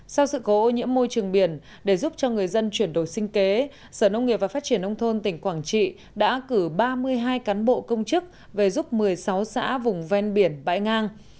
sau sự cố ô nhiễm môi trường biển để giúp cho người dân chuyển đổi sinh kế sở nông nghiệp và phát triển nông thôn tỉnh quảng trị đã cử ba mươi hai cán bộ công chức về giúp một mươi sáu xã vùng ven biển bãi ngang